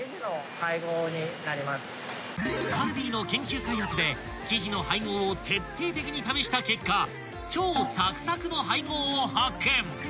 ［カルビーの研究開発で生地の配合を徹底的に試した結果超サクサクの配合を発見］